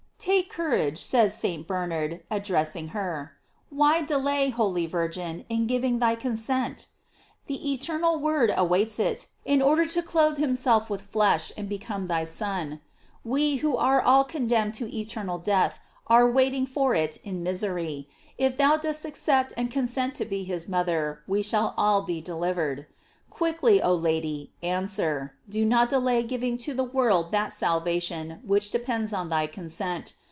Take courage, says St. Bernard, addressing her ; why delay, holy Virgin, in giving thy con sent ? The eternal Word awaits it, in order to clothe himself with flesh, and become thy Son. We, who are all condemned to eternal death, are waiting for it in misery; if thou dost accept and consent to be his mother, we shall all be delivered. Quickly, oh Lady, answer ; do not delay giving to the world that salvation which depends on thy consent.